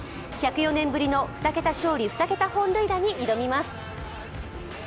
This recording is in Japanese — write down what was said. １０４年ぶりの、２桁勝利２桁本塁打に挑みます。